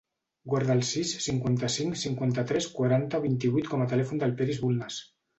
Guarda el sis, cinquanta-cinc, cinquanta-tres, quaranta, vint-i-vuit com a telèfon del Peris Bulnes.